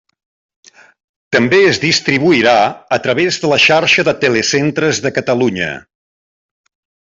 També es distribuirà a través de la Xarxa de Telecentres de Catalunya.